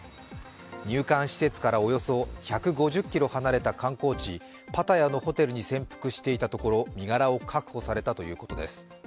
入管施設からおよそ１５０ｋｍ離れた観光地、パタヤのホテルに潜伏していたところ身柄を確保されたということです。